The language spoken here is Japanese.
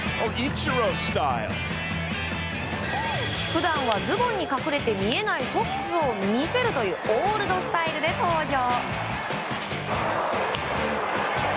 普段はズボンに隠れて見えないソックスを見せるというオールドスタイルで登場。